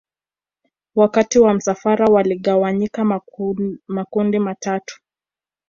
Wakati wa msafara waligawanyika makundi matatu